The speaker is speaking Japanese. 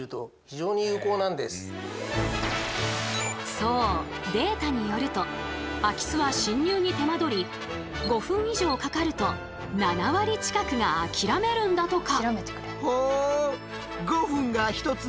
そうデータによると空き巣は侵入に手間取り５分以上かかると７割近くが諦めるんだとか。